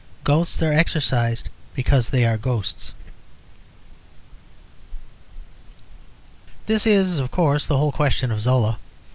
"Ghosts" are exorcised because they are ghosts. This is, of course, the whole question of Zola.